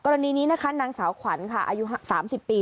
กรณีนี้ค่ะนางสาวขวัญอายุ๓๐ปี